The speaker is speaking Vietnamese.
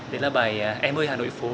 đó là bài em ơi hà nội phố